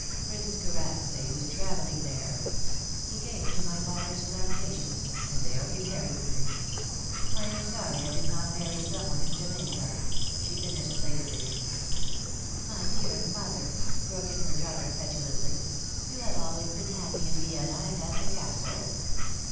"Prince Karacsay was travelling there. He came to my father's plantation, and there he married me. I am sorry I did not marry someone in Jamaica," she finished lazily. "My dear mother," broke in her daughter petulantly, "you have always been happy in Vienna and at the Castle."